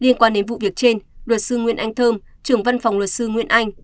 liên quan đến vụ việc trên luật sư nguyễn anh thơm trưởng văn phòng luật sư nguyễn anh